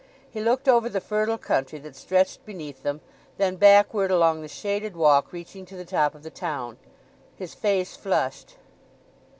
He looked over the fertile country that stretched beneath them, then backward along the shaded walk reaching to the top of the town. His face flushed.